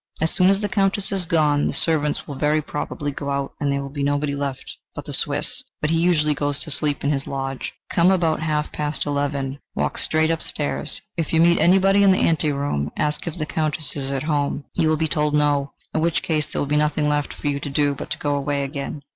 As soon as the Countess is gone, the servants will very probably go out, and there will be nobody left but the Swiss, but he usually goes to sleep in his lodge. Come about half past eleven. Walk straight upstairs. If you meet anybody in the ante room, ask if the Countess is at home. You will be told 'No,' in which case there will be nothing left for you to do but to go away again.